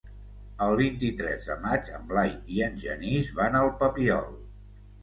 El vint-i-tres de maig en Blai i en Genís van al Papiol.